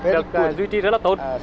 được duy trì rất là tốt